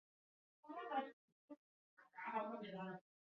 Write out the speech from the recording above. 中超联赛俱乐部北京国安以工人体育场作为主场参加各项比赛。